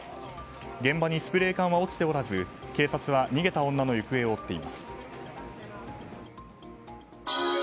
現場にスプレー缶は落ちておらず警察は逃げた女の行方を追っています。